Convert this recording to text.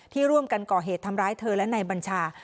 ร่วมกันก่อเหตุทำร้ายเธอและนายบัญชา